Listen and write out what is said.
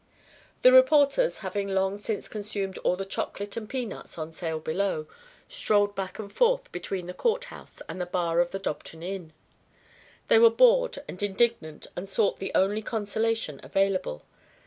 The reporters, having long since consumed all the chocolate and peanuts on sale below, strolled back and forth between the Court house and the bar of the Dobton Inn. They were bored and indignant and sought the only consolation available.